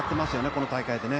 この大会でね。